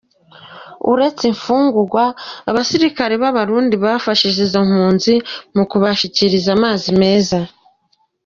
Uretse imfungurwa, abasirikare b'abarundi barafashije izo mpunzi mu kubashikiriza amazi meza.